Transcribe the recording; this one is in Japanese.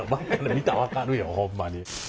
見たら分かるよホンマに。